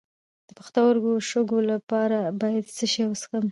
د پښتورګو د شګو لپاره باید څه شی وڅښم؟